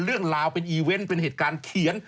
เรื่องราวเป็นอีเวนต์เป็นเหตุการณ์เขียน